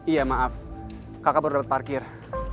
iya maaf kakak baru dapat parkir